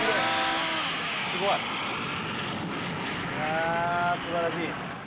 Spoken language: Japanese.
すごい。うわ素晴らしい。